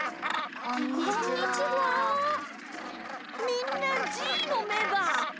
みんなじーのめだ！